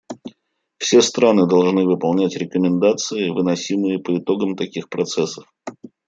Все страны должны выполнять рекомендации, выносимые по итогам таких процессов.